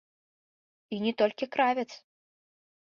І не толькі кравец.